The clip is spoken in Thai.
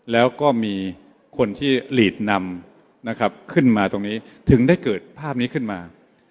แล้วก็มีคนที่หลีดนำนะครับขึ้นมาตรงนี้ถึงได้เกิดภาพนี้ขึ้นมา